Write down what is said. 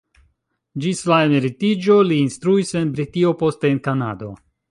Ĝis la emeritiĝo li instruis en Britio, poste en Kanado.